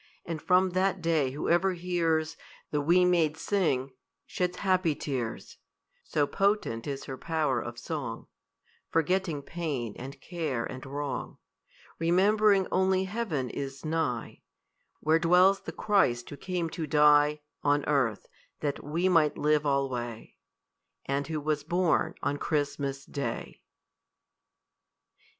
And, from that day, whoever hears The wee maid sing, sheds happy tears (So potent is her power of song), Forgetting pain and care and wrong, Rememb'ring only heaven is nigh, Where dwells the Christ who came to die On earth, that we might live alway, And who was born on Christmas day.